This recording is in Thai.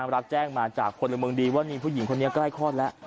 รับแจ้งมาจากพลเมืองดีว่ามีผู้หญิงคนนี้ใกล้คลอดแล้ว